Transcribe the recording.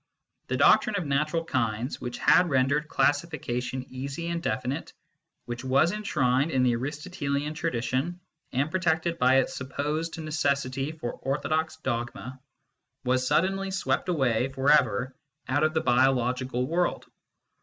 The doctrine of natural kinds, which had rendered classification easy and definite, which was enshrined in the Aristotelian tradition, and protected by its supposed necessity for orthodox dogma, was suddenly swept away for ever out of the biological world.